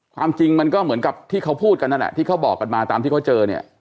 ความจริงมันก็เหมือนกับที่เขาพูดกันนั่นแหละที่เขาบอกกันมาตามที่เขาเจอเนี่ย